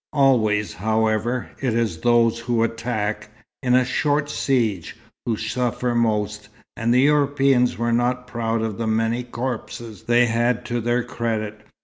Always, however, it is those who attack, in a short siege, who suffer most; and the Europeans were not proud of the many corpses they had to their credit.